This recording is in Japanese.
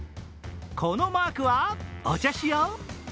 このマークは、「お茶しよう」。